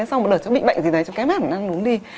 xong một đợt chó bị bệnh gì đấy chó kém hẳn ăn uống đi